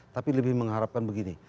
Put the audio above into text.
tapi lebih mengharapkan begini